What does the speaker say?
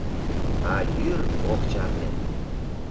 А йӱр ок чарне.